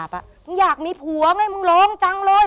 มึงอยากมีผัวไงมึงร้องจังเลย